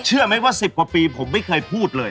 เชื่อไหมว่า๑๐กว่าปีผมไม่เคยพูดเลย